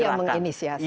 kita yang menginisiasi